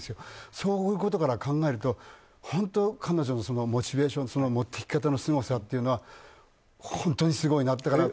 そういうことから考えると本当、彼女のモチベーションの持っていき方のすごさというのは本当にすごいなと。